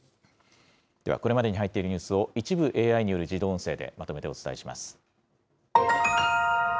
では、これまでに入っているニュースを、一部ＡＩによる自動音声で、まとめてお伝えします。